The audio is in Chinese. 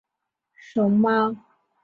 熊猫不交配不是人类的错。